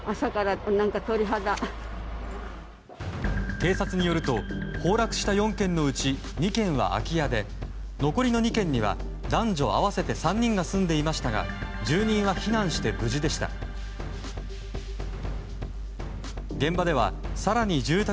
警察によると崩落した４軒のうち２軒は空き家で残りの２軒には男女合わせて３人が住んでいましたが住人は避難して無事でした。